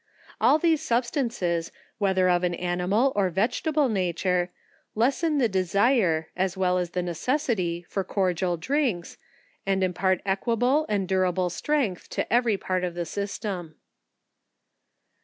All these substances, wheth er of an animal or vegetable nature, lessen the desire, as well as the necessity for cordial drinks, and impart equa ble, and durable strength, to every part of the system.